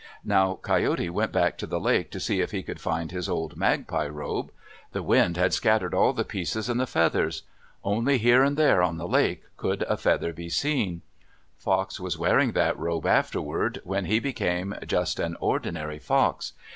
Now Coyote went back to the lake, to see if he could find his old magpie robe. The wind had scattered all the pieces and the feathers. Only here and there on the lake could a feather be seen. Fox was wearing that robe afterward, when he became just an ordinary fox.